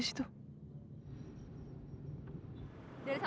aku sudah selesai